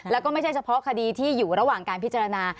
แล้วก็ไม่ใช่เฉพาะคดีที่อยู่ระหว่างการพิจารณา